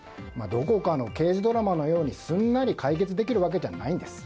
どこかの刑事ドラマのようにすんなり解決できるわけじゃないんです。